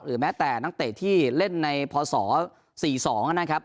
แม้แต่นักเตะที่เล่นในพศ๔๒นะครับ